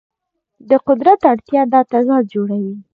د قدرت اړتیا دا تضاد جوړوي.